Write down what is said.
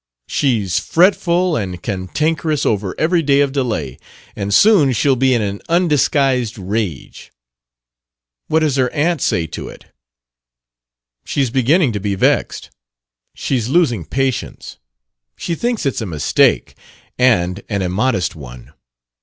She's fretful and cantankerous over every day of delay, and soon she'll be in an undisguised rage." "What does her aunt say to it?" "She's beginning to be vexed. She's losing patience. She thinks it's a mistake and an immodest one.